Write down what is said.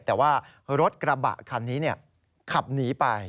แต่ว่ารถกระบะคันนี้ขับหนีไป